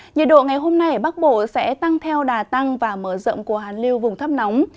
nhiệt độ ngày hôm nay ở bắc bộ sẽ tăng theo đà tăng và mở rộng của hàn liêu vùng thấp nóng